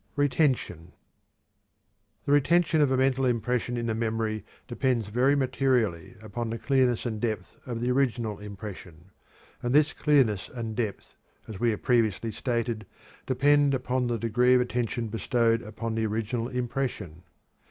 RETENTION. The retention of a mental impression in the memory depends very materially upon the clearness and depth of the original impression. And this clearness and depth, as we have previously stated, depend upon the degree of attention bestowed upon the original impression.